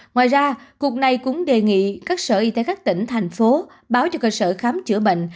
ngoài ra cục này cũng đề nghị các sở y tế các tỉnh thành phố báo cho cơ sở khám chữa bệnh